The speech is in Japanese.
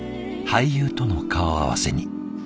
俳優との顔合わせに。